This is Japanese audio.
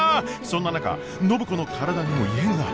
そんな中暢子の体にも異変が！？